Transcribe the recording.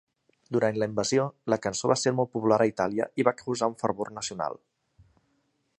Durant la invasió, la cançó va ser molt popular a Itàlia i va causar un fervor nacional.